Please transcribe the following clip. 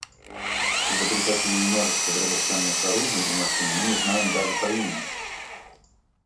Изобретателей множества драгоценных орудий и машин мы не знаем даже по имени.